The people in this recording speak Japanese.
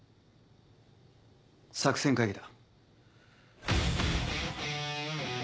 作戦会議だ。